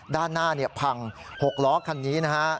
ด้านหน้าพัง๖ล้อคันนี้นะฮะ